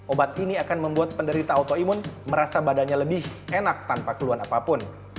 obat ini akan membuat penderita autoimun merasa badannya lebih enak tanpa keluhan apapun